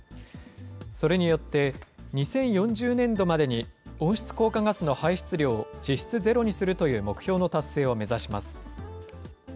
それによって、２０４０年度までに、温室効果ガスの排出量を実質ゼロにするという目標の達成を目指します。